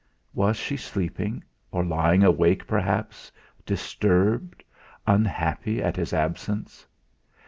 Was she sleeping, or lying awake perhaps, disturbed unhappy at his absence?